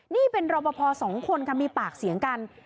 นี่เป็นรอปภสองคนค่ะมีปากเสียงกัน